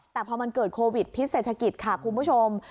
แต่พอมันเกิดโควิดพิษเศรษฐกิจค่ะคุณผู้ชม